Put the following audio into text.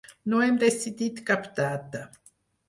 No hem decidit cap data.